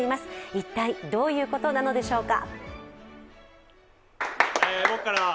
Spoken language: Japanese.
一体どういうことなのでしょうか。